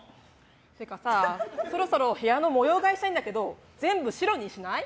っていうかさ、そろそろ部屋の模様替えしたいんだけど全部白にしない？